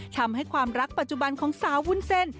ทำให้ความรักปัจจุบันของสาววุ้นเส้น